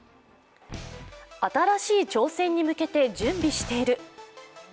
新しい挑戦に向けて準備している。